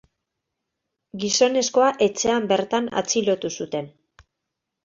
Gizonezkoa etxean bertan atxilotu zuten.